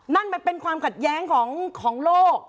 นั่นมันเป็นความขัดแย้งของโลก